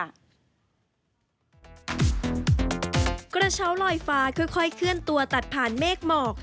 กระเช้าลอยฟ้าค่อยเคลื่อนตัวตัดผ่านเมฆหมอก